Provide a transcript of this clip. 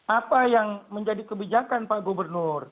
apa yang menjadi kebijakan pak gubernur